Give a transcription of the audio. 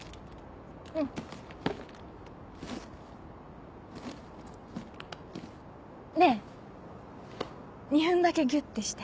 うん。ねぇ２分だけギュってして。